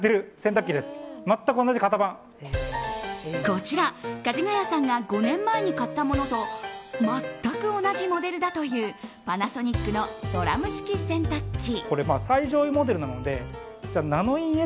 こちら、かじがやさんが５年前に買ったものと全く同じモデルだというパナソニックのドラム式洗濯機。